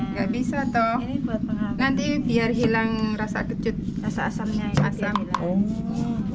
nggak bisa toh nanti biar hilang rasa kecut rasa asamnya yang asam